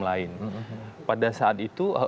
lain pada saat itu